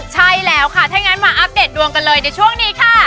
ใช่แล้วค่ะถ้าอย่างนั้นมาอัปเดตดวงกันเลยในช่วงนี้ค่ะ